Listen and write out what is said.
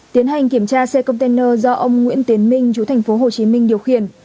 tiến hành kiểm tra xe container do ông nguyễn tiến minh chủ thành phố hồ chí minh điều khiển